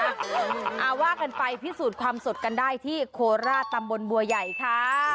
เอาว่ากันไปพิสูจน์ความสดกันได้ที่โคราชตำบลบัวใหญ่ค่ะ